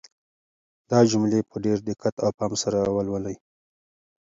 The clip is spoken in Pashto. دا جملې په ډېر دقت او پام سره ولولئ.